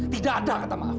tidak ada kata maaf